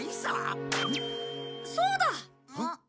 そうだ！ん？